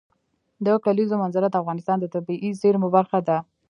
د کلیزو منظره د افغانستان د طبیعي زیرمو برخه ده.